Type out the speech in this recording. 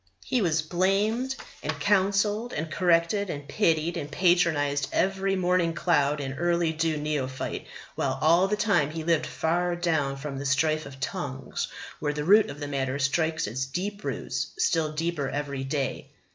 He was blamed and counselled and corrected and pitied and patronised by every morning cloud and early dew neophyte, while all the time he lived far down from the strife of tongues where the root of the matter strikes its deep roots still deeper every day.